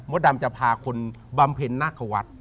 ดำจะพาคนบำเพ็ญนาควัฒน์